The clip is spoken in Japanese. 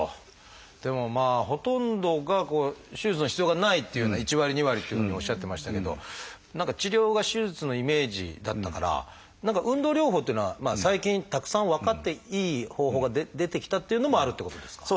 でもほとんどが手術の必要がないっていうふうな１割２割っていうふうにおっしゃってましたけど何か治療が手術のイメージだったから何か運動療法っていうのは最近たくさん分かっていい方法が出てきたっていうのもあるっていうことですか？